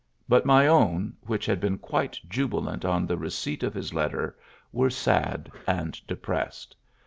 But my own, which had been quite jubilant on the receipt of his letter, were sad and depressed.